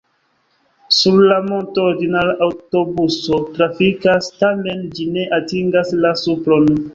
Sur la monto ordinara aŭtobuso trafikas, tamen ĝi ne atingas la supron.